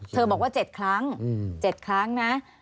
บอกว่า๗ครั้ง๗ครั้งนะ